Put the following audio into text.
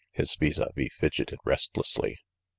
His vis a vis fidgeted restlessly.